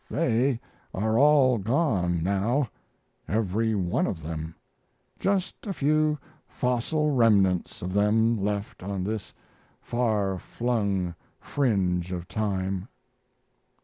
They are all gone now, every one of them; just a few fossil remnants of them left on this far flung fringe of time.